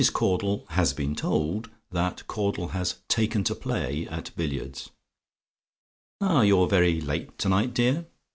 CAUDLE "HAS BEEN TOLD" THAT CAUDLE HAS "TAKEN TO PLAY" AT BILLIARDS "Ah, you're very late to night, dear.